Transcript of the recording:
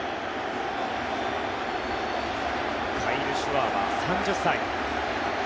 カイル・シュワバー、３０歳。